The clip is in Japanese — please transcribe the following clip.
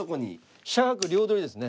飛車角両取りですね。